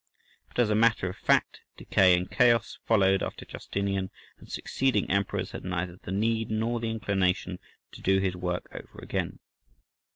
But, as a matter of fact, decay and chaos followed after Justinian, and succeeding emperors had neither the need nor the inclination to do his work over again.